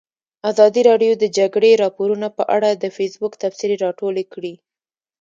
ازادي راډیو د د جګړې راپورونه په اړه د فیسبوک تبصرې راټولې کړي.